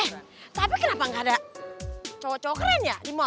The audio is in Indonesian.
eh tapi kenapa gak ada cowok cowok keren ya di mall